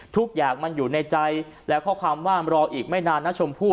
ทุกอย่างมันอยู่ในใจและข้อความว่ารออีกไม่นานนะชมพู่